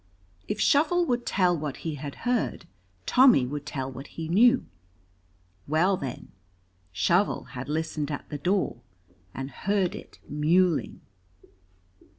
If Shovel would tell what he had heard, Tommy would tell what he knew. Well, then, Shovel had listened at the door, and heard it mewling.